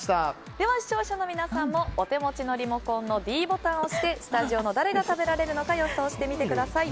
では、視聴者の皆さんもお手持ちのリモコンのｄボタンを押してスタジオの誰が食べられるのか予想してみてください。